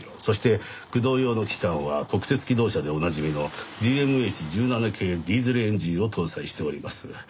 そして駆動用の機関は国鉄気動車でおなじみのＤＭＨ１７系ディーゼルエンジンを搭載しております。